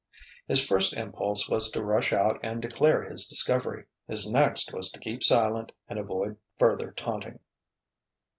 His first impulse was to rush out and declare his discovery. His next was to keep silent and avoid further taunting.